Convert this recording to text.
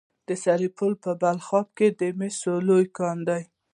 د سرپل په بلخاب کې د مسو لوی کان دی.